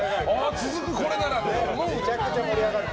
続く、これならって。